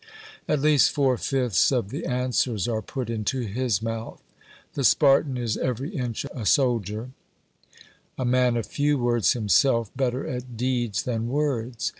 At least four fifths of the answers are put into his mouth. The Spartan is every inch a soldier, a man of few words himself, better at deeds than words.